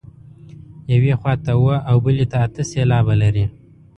یوې خوا ته اووه او بلې ته اته سېلابه لري.